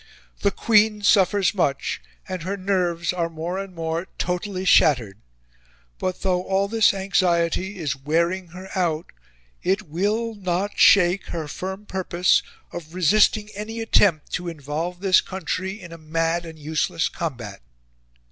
The Queen suffers much, and her nerves are more and more totally shattered... But though all this anxiety is wearing her out, it will not shake her firm purpose of resisting any attempt to involve this country in a mad and useless combat."